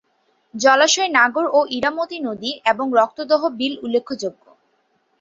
জলাশয় নাগর ও ইরামতী নদী এবং রক্তদহ বিল উল্লেখযোগ্য।